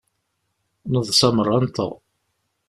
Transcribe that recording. Neḍsa merra-nteɣ.